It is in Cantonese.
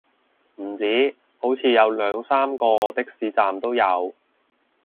唔止，好似有兩三個的士站都有